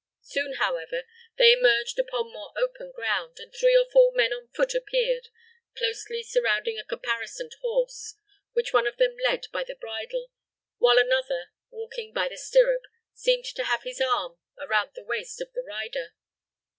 Soon, however, they emerged upon more open ground, and three or four men on foot appeared, closely surrounding a caparisoned horse, which one of them led by the bridle, while another, walking by the stirrup, seemed to have his arm around the waist of the rider.